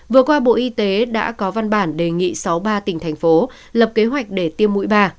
vừa qua bộ y tế đã có văn bản đề nghị sáu mươi ba tỉnh thành phố lập kế hoạch để tiêm mũi ba